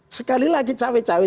sekali lagi cewek cewek